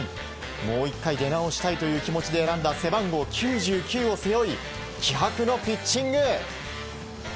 もう１回、出直したいという気持ちで選んだ背番号９９を背負い気迫のピッチング。